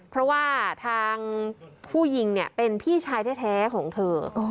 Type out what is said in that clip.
เพราะว่าทางผู้ยิงเนี่ยเป็นพี่ชายแท้ของเธอ